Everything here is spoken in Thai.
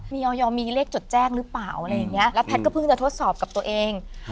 มีออยมีเลขจดแจ้งหรือเปล่าอะไรอย่างนี้แล้วแพทย์ก็เพิ่งจะทดสอบกับตัวเอง